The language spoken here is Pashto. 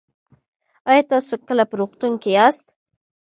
ایا تاسو کله په روغتون کې یاست؟